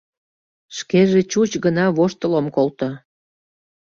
Шкеже чуч гына воштыл ом колто.